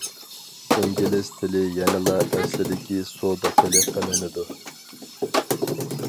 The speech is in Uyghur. ئىنگلىز تىلى يەنىلا ئەسلىدىكى سودا تىلى قىلىنىدۇ.